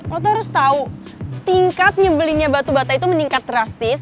aku tuh harus tahu tingkat nyebelinnya batu bata itu meningkat drastis